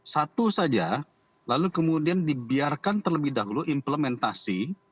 satu saja lalu kemudian dibiarkan terlebih dahulu implementasi